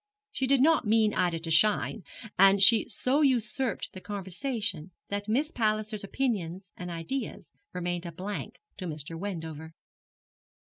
She did not mean Ida to shine, and she so usurped the conversation that Miss Palliser's opinions and ideas remained a blank to Mr. Wendover.